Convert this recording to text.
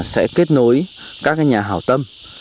đối với các nhà hào tâm